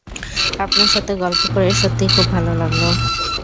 আপনার সাথে গল্প করে সত্যিই খুব ভালো লাগলো।